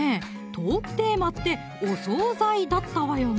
トークテーマって「お総菜」だったわよね